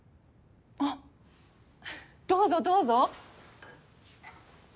あっどうぞどうぞ。